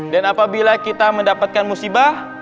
dan apabila kita mendapatkan musibah